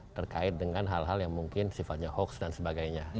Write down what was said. terkait dengan hal hal yang mungkin sifatnya hoax dan sebagainya